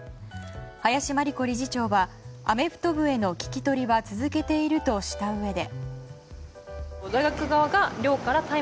林真理子理事長はアメフト部への聞き取りは続けているとしたうえで。